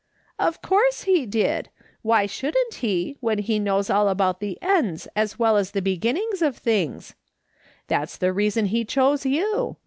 " Of course he did ! Why shouldn't he, when he kno^Ys all about the ends as well as the beginnings of things ? That's the reason he chose you.